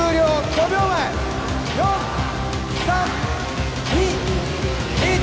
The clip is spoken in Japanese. ５秒前４３２１